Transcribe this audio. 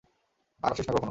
আর আসিস না কখনো।